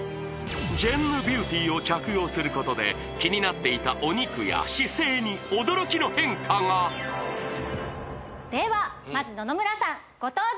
ジェンヌビューティーを着用することで気になっていたお肉や姿勢に驚きの変化がではまず野々村さんご登場